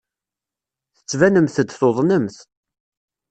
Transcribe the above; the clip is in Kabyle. Tettbanemt-d tuḍnemt.